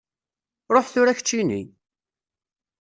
Ruḥ tura keččini!